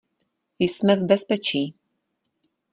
Jsme v bezpečí.